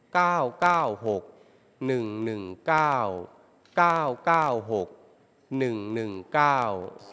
เก้าเก้าหกหนึ่งหนึ่งเก้าเก้าเก้าหกหนึ่งหนึ่งเก้า